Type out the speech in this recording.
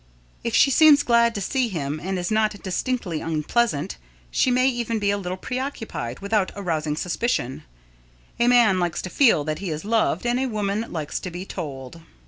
If she seems glad to see him and is not distinctly unpleasant, she may even be a little preoccupied without arousing suspicion. A man likes to feel that he is loved and a woman likes to be told.